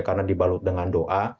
karena dibalut dengan doa